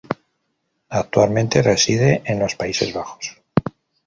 Actualmente reside en los Países Bajos.